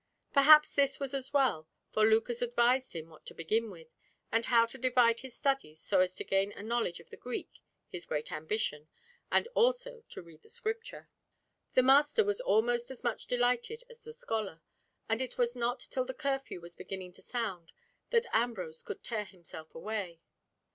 Perhaps this was as well, for Lucas advised him what to begin with, and how to divide his studies so as to gain a knowledge of the Greek, his great ambition, and also to read the Scripture. The master was almost as much delighted as the scholar, and it was not till the curfew was beginning to sound that Ambrose could tear himself away.